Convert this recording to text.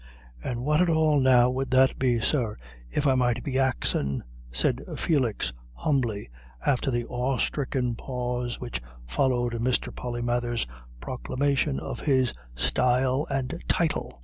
"And what at all now would that be, sir, if I might be axin'?" said Felix, humbly, after the awe stricken pause which followed Mr. Polymathers's proclamation of his style and title.